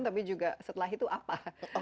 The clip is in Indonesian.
tapi juga setelah itu apa